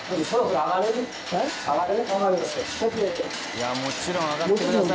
いやもちろん上がってください！